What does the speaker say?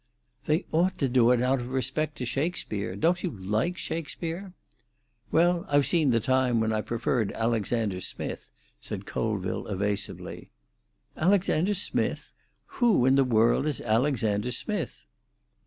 "They ought to do it out of respect to Shakespeare. Don't you like Shakespeare?" "Well, I've seen the time when I preferred Alexander Smith," said Colville evasively. "Alexander Smith? Who in the world is Alexander Smith?"